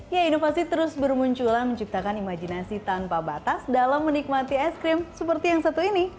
ya inovasi terus bermunculan menciptakan imajinasi tanpa batas dalam menikmati es krim seperti yang satu ini